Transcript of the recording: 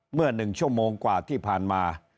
เมื่อ๑ชั่วโมงกว่าที่ผ่านมา